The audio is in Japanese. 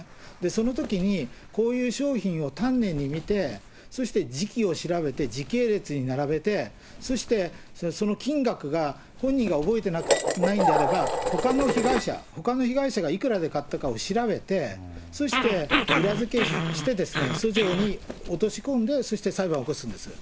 そのときに、こういう商品を丹念に見て、そして時期を調べて、時系列に並べて、そして、その金額が本人が覚えてないんであれば、ほかの被害者、ほかの被害者がいくらで買ったかを調べて、そして裏付けして、訴状に落とし込んで、そして裁判起こすんですよ。